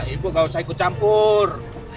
ibu gak usah ikut campur